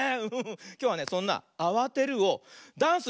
きょうはねそんなあわてるをダンスにしてみるよ。